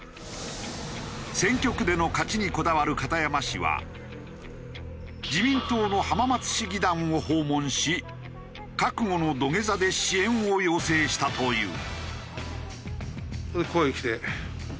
選挙区での勝ちにこだわる片山氏は自民党の浜松市議団を訪問し覚悟の土下座で支援を要請したという。